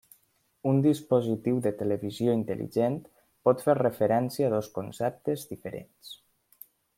Un dispositiu de televisió intel·ligent pot fer referència a dos conceptes diferents.